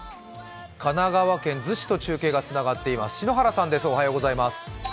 神奈川県逗子と中継がつながっています。